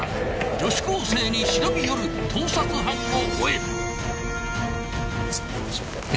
［女子高生に忍び寄る盗撮犯を追え！］